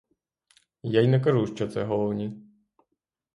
Я й не кажу, що це головні.